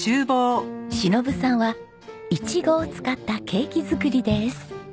忍さんはイチゴを使ったケーキ作りです。